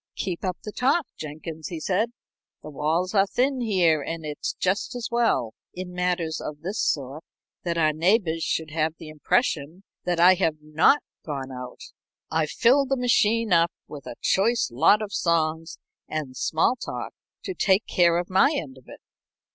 "Keep up the talk, Jenkins," he said. "The walls are thin here, and it's just as well, in matters of this sort, that our neighbors should have the impression that I have not gone out. I've filled the machine up with a choice lot of songs and small talk to take care of my end of it.